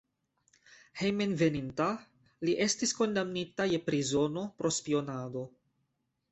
Hejmenveninta li estis kondamnita je prizono pro spionado.